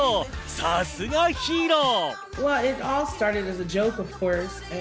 さすがヒーロー。